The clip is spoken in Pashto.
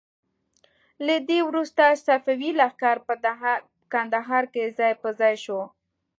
له دې وروسته صفوي لښکر په کندهار کې ځای په ځای شو.